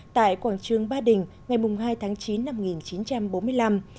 tại quảng trương ba đình ngày mùng hai tháng chín năm một nghìn chín trăm bốn mươi năm